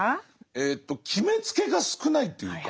えと決めつけが少ないっていうか。